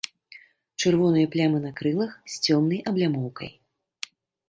Чырвоныя плямы на крылах з цёмнай аблямоўкай.